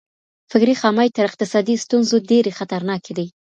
فکري خامۍ تر اقتصادي ستونزو ډېرې خطرناکې دي.